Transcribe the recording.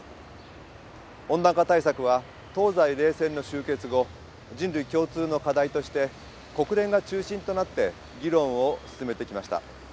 温暖化対策は東西冷戦の終結後人類共通の課題として国連が中心となって議論を進めてきました。